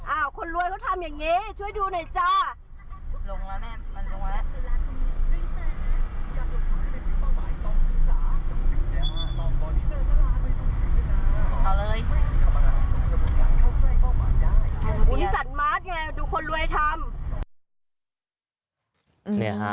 คนรวยเขาทำอย่างนี้ช่วยดูหน่อยจ้า